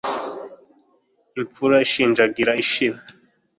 imfura ishinjagira ishira